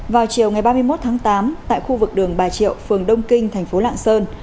vào chiều ngày ba mươi một tháng tám tại khu vực đường bà triệu phường đông kinh thành phố lạng sơn